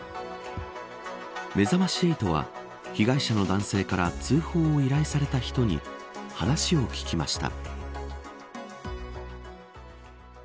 めざまし８は被害者の男性から通報を依頼された人に話を聞きました。